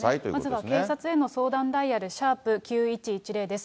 まずは警察への相談ダイヤル、＃９１１０です。